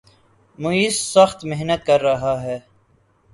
معیز سخت محنت کر رہا ہے